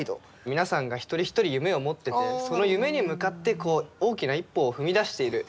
皆さんが一人一人夢を持っててその夢に向かって大きな一歩を踏み出している。